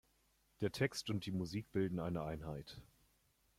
Der Text und die Musik bilden eine Einheit.